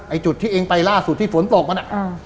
จุดที่เองไปล่าสุดที่ฝนตกมันอ่ะ